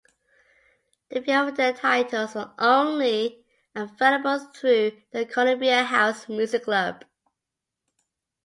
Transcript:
A few of their titles were only available through the Columbia House music club.